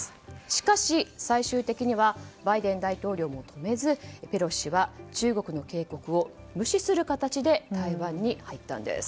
しかし、最終的にはバイデン大統領も止めずペロシ氏は中国の警告を無視する形で台湾に入ったんです。